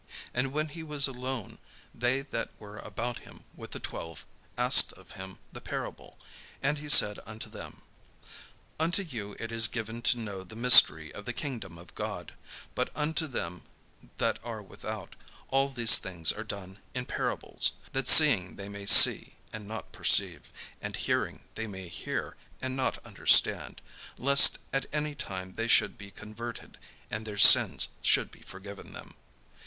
And when he was alone, they that were about him with the twelve asked of him the parable. And he said unto them: "Unto you it is given to know the mystery of the kingdom of God: but unto them that are without, all these things are done in parables: that seeing they may see, and not perceive; and hearing they may hear, and not understand; lest at any time they should be converted, and their sins should be forgiven them."